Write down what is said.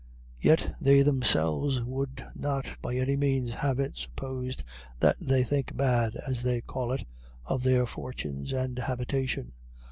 Yet they themselves would not by any means have it supposed that they "think bad," as they call it, of their fortunes and habitation.